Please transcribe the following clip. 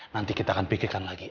nanti kita akan pikirkan lagi